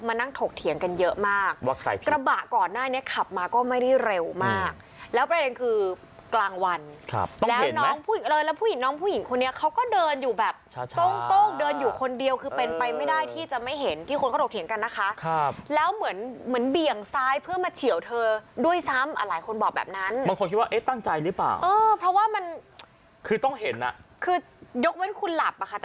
บางวันครับแล้วน้องผู้หญิงเลยแล้วผู้หญิงน้องผู้หญิงคนนี้เขาก็เดินอยู่แบบโต้งโต้งเดินอยู่คนเดียวคือเป็นไปไม่ได้ที่จะไม่เห็นที่คนเขาโดกเถียงกันนะคะครับแล้วเหมือนเหมือนเบี่ยงซ้ายเพื่อมาเฉียวเธอด้วยซ้ำอ่ะหลายคนบอกแบบนั้นมันคงคิดว่าเอ๊ะตั้งใจหรือเปล่าเออเพราะว่ามันคือต้องเห็นน่ะคือยกเว้นค